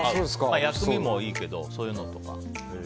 薬味もいいんだけどそういうのとか。